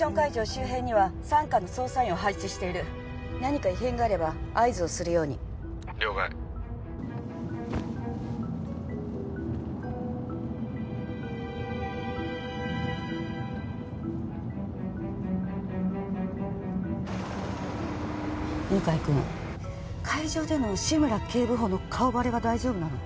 周辺には三課の捜査員を配置している何か異変があれば合図をするように了解犬飼君会場での志村警部補の顔バレは大丈夫なの？